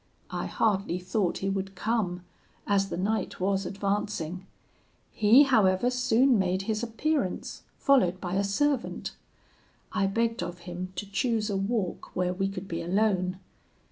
I hardly thought he would come, as the night was advancing. He, however, soon made his appearance, followed by a servant: I begged of him to choose a walk where we could be alone.